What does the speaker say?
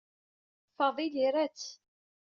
Fadil ira-tt.